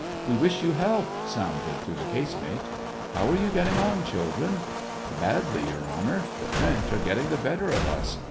'' We wish you health !" sounded through the casemate. '' How are you getting on, children t "" Badly, Your Honor. The French are getting the better of us.